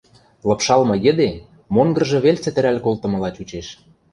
Лыпшалмы йӹде монгыржы вел цӹтӹрӓл колтымыла чучеш.